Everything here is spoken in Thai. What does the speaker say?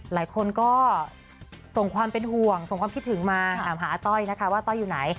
หลายคนก็ส่งความเป็นห่วงส่งความคิดถึงมาถามหาอาต้อยนะคะว่าต้อยอยู่ไหน